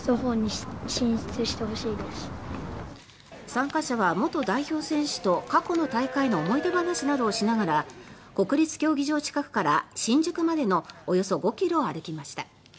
参加者は元代表選手と過去の大会の思い出話などをしながら国立競技場近くから新宿までのおよそ５ｋｍを歩きました。